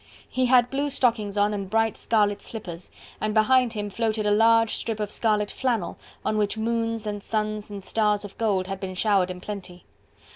He had blue stockings on and bright scarlet slippers, and behind him floated a large strip of scarlet flannel, on which moons and suns and stars of gold had been showered in plenty.